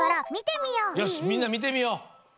よしみんなみてみよう！